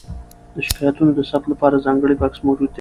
د شکایتونو د ثبت لپاره ځانګړی بکس موجود دی.